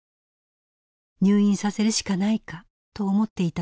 「入院させるしかないか」と思っていたところ。